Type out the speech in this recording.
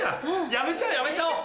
やめちゃおうやめちゃおう